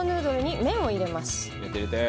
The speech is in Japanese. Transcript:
入れて入れて。